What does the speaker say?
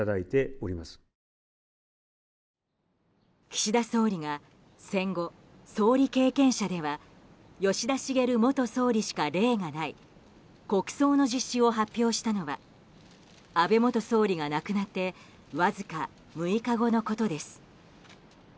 岸田総理が戦後、総理経験者では吉田茂元総理しか例がない国葬の実施を発表したのは安倍元総理が亡くなってわずか６日後のことです。